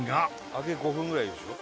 揚げ５分ぐらいいるでしょ。